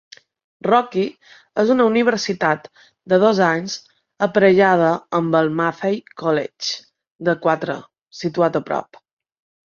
Rocky és una universitat de dos anys, aparellada amb el Mathey College de quatre, situat a prop.